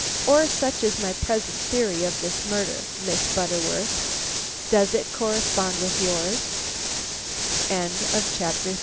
Or such is my present theory of this murder, Miss Butterworth. Does it correspond with yours?" XXXI. SOME FINE WORK. "O perfectly!"